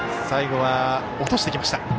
最後は落としてきました。